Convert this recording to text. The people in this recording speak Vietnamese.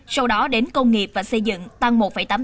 sau đó đến công nghiệp và xây dựng tăng một tám mươi tám